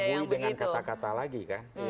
ini kan mengelabui dengan kata kata lagi kan